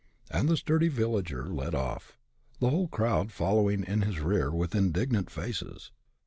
And the sturdy villager led off, the whole crowd following in his rear with indignant faces.